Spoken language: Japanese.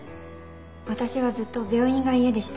私はずっと病院が家でした。